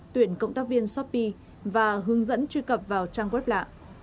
tuyển cộng tác viên shopee và hướng dẫn truy cập vào trang web lạ